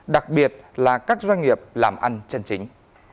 đặc biệt là các doanh nghiệp làm ăn chân chính